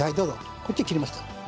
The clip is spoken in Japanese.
こっち切ります。